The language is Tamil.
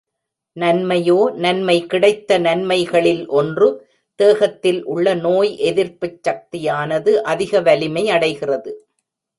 நன்மையோ நன்மை கிடைத்த நன்மைகளில் ஒன்று, தேகத்தில் உள்ள நோய் எதிர்ப்புச் சக்தியானது அதிக வலிமையடைகிறது.